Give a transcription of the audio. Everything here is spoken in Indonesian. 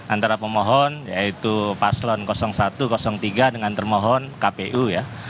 antara pemohon yaitu paslon satu tiga dengan termohon kpu ya